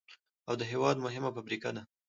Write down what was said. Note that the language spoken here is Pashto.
او د هېواد مهمه فابريكه ده،